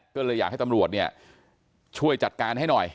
ก็เลยอยากให้ตำรวจเนี่ยช่วยจัดการให้หน่อย